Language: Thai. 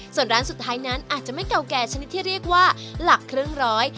ส่วนร้านสุดท้ายนั้นอาจจะไม่เก่าแก่ชนิดที่เรียกว่าหลักครึ่งร้อย